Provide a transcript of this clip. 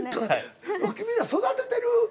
君ら育ててる？